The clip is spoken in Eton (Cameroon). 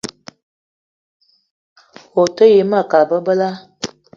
O te yi ma kat bebela.